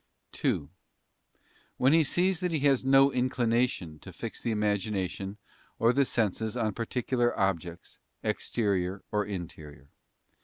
2. When he sees that he has no inclination to fix the imagination or the senses on particular objects, exterior or _ interior.